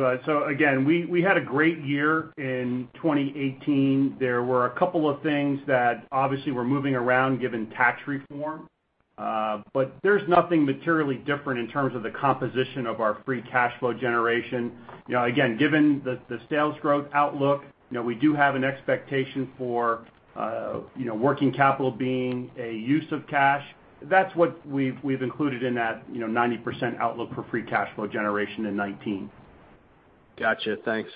Again, we had a great year in 2018. There were a couple of things that obviously were moving around given Tax Reform. There's nothing materially different in terms of the composition of our free cash flow generation. Again, given the sales growth outlook, we do have an expectation for working capital being a use of cash. That's what we've included in that 90% outlook for free cash flow generation in 2019. Gotcha. Thanks.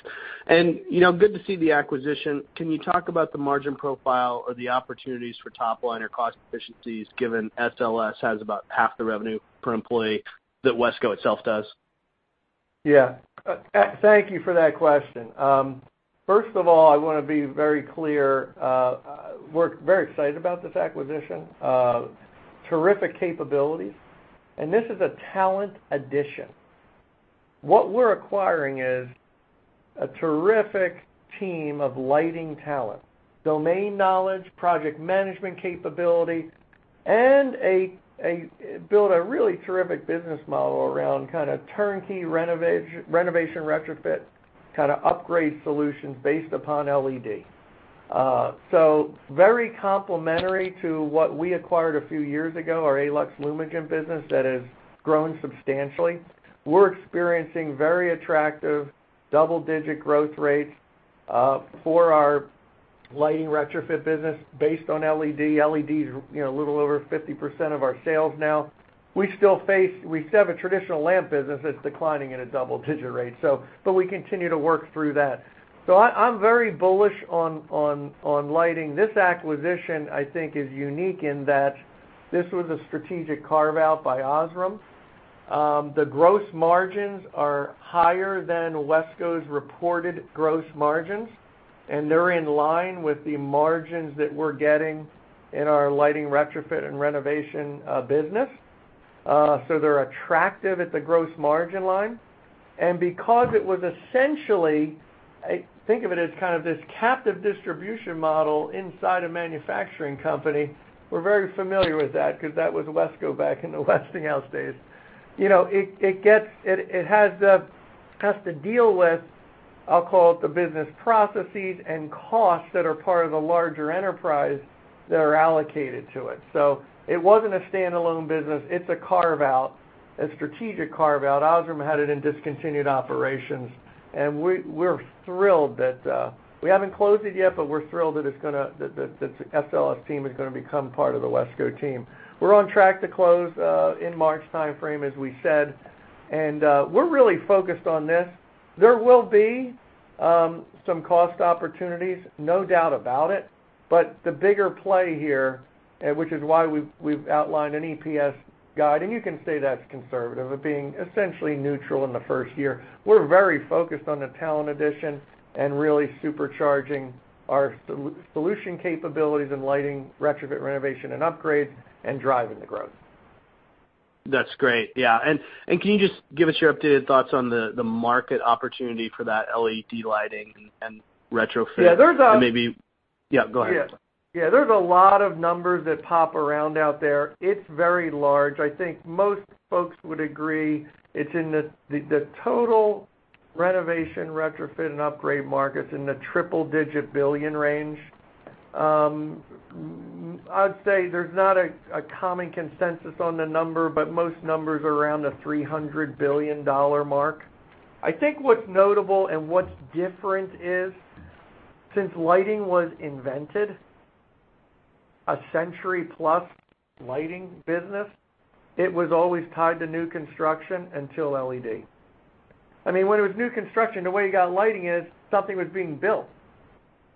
Good to see the acquisition. Can you talk about the margin profile or the opportunities for top line or cost efficiencies, given SLS has about half the revenue per employee that WESCO itself does? Yeah. Thank you for that question. First of all, I want to be very clear, we're very excited about this acquisition. Terrific capabilities. This is a talent addition. What we're acquiring is a terrific team of lighting talent, domain knowledge, project management capability, and built a really terrific business model around kind of turnkey renovation retrofit, kind of upgrade solutions based upon LED. Very complementary to what we acquired a few years ago, our Aelux Lumagen business, that has grown substantially. We're experiencing very attractive double-digit growth rates for our lighting retrofit business based on LED. LED's a little over 50% of our sales now. We still have a traditional lamp business that's declining at a double-digit rate, but we continue to work through that. I'm very bullish on lighting. This acquisition, I think, is unique in that this was a strategic carve-out by OSRAM. The gross margins are higher than WESCO's reported gross margins, and they're in line with the margins that we're getting in our lighting retrofit and renovation business. They're attractive at the gross margin line. Because it was essentially, think of it as kind of this captive distribution model inside a manufacturing company, we're very familiar with that because that was WESCO back in the Westinghouse days. It has to deal with, I'll call it, the business processes and costs that are part of the larger enterprise that are allocated to it. It wasn't a standalone business. It's a carve-out, a strategic carve-out. OSRAM had it in discontinued operations. We're thrilled that, we haven't closed it yet, but we're thrilled that the SLS team is going to become part of the WESCO team. We're on track to close in March timeframe, as we said. We're really focused on this. There will be some cost opportunities, no doubt about it. The bigger play here, which is why we've outlined an EPS guide, and you can say that's conservative, of being essentially neutral in the first year. We're very focused on the talent addition and really supercharging our solution capabilities in lighting retrofit, renovation, and upgrade and driving the growth. That's great. Yeah. Can you just give us your updated thoughts on the market opportunity for that LED lighting and retrofit? Yeah. Yeah, go ahead. Yeah. There's a lot of numbers that pop around out there. It's very large. I think most folks would agree. The total renovation, retrofit, and upgrade market's in the triple digit billion range. I'd say there's not a common consensus on the number, but most numbers are around the $300 billion mark. I think what's notable and what's different is, since lighting was invented, a century plus lighting business, it was always tied to new construction until LED. When it was new construction, the way you got lighting is something was being built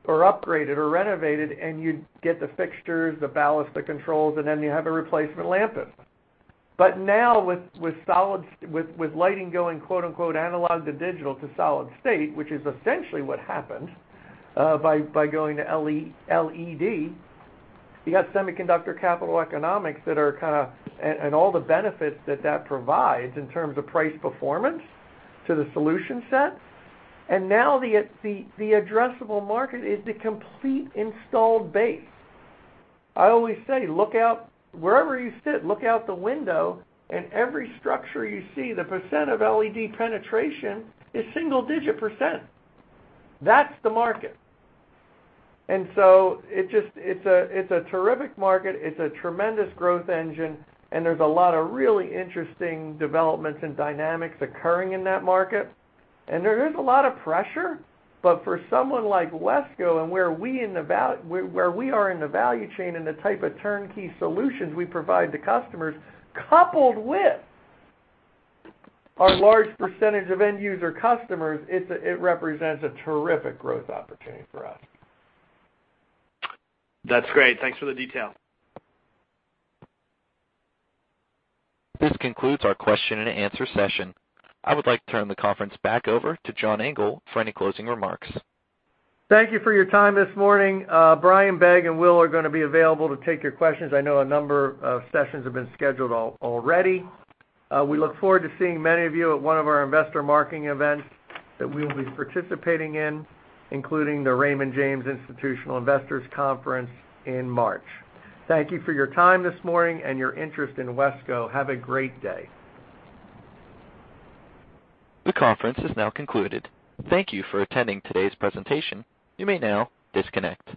or upgraded or renovated, and you'd get the fixtures, the ballasts, the controls, and then you have a replacement lamp business. Now with lighting going, quote unquote, "analog to digital to solid state," which is essentially what happened, by going to LED, you got semiconductor capital economics and all the benefits that that provides in terms of price performance to the solution set. Now the addressable market is the complete installed base. I always say, wherever you sit, look out the window and every structure you see, the percent of LED penetration is single digit percent. That's the market. It's a terrific market. It's a tremendous growth engine, and there's a lot of really interesting developments and dynamics occurring in that market. There is a lot of pressure, but for someone like WESCO and where we are in the value chain and the type of turnkey solutions we provide to customers, coupled with our large percentage of end user customers, it represents a terrific growth opportunity for us. That's great. Thanks for the detail. This concludes our question-and-answer session. I would like to turn the conference back over to John Engel for any closing remarks. Thank you for your time this morning. Brian Begg, and Will are going to be available to take your questions. I know a number of sessions have been scheduled already. We look forward to seeing many of you at one of our investor marketing events that we will be participating in, including the Raymond James Institutional Investors Conference in March. Thank you for your time this morning and your interest in WESCO. Have a great day. The conference is now concluded. Thank you for attending today's presentation. You may now disconnect.